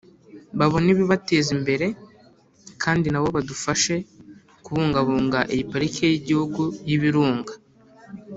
babone ibibateza imbere kandi nabo badufashe kubungabunga iyi Pariki y’Igihugu y’Ibirunga